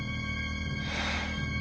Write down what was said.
はあ